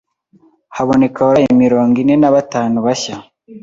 haboneka abarwayi mirongo ine nabatanu bashya